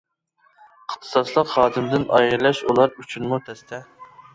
ئىختىساسلىق خادىمدىن ئايرىلىش ئۇلار ئۈچۈنمۇ تەستە.